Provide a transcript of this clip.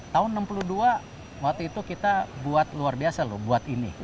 tahun enam puluh dua waktu itu kita buat luar biasa loh buat ini